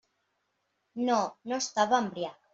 No, no estava embriac.